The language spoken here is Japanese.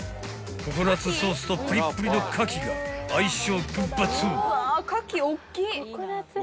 ［ココナツソースとプリップリのカキが相性グンバツ］